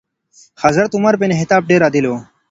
حضرت عمر بن خطاب ډېر عادل و.